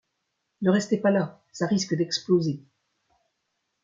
Ne restez pas là, ça risque d’exploser !